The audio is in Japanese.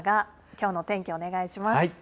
きょうの天気、お願いします。